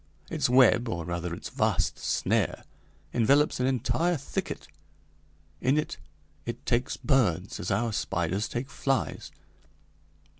Its web, or rather its vast snare, envelops an entire thicket. In it it takes birds as our spiders take flies.